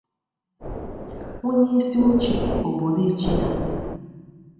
Onyeisioche obodo Ichida